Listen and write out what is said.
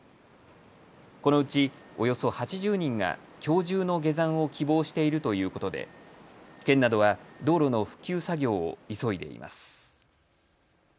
このうちおよそ８０人がきょう中の下山を希望しているということで県などは道路の復旧作業を急いでいます。